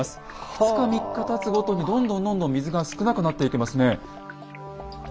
２日３日たつごとにどんどんどんどん水が少なくなっていきますね。